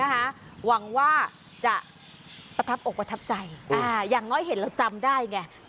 หวังว่าจะประทับอกประทับใจอย่างน้อยเห็นเราจำได้ไง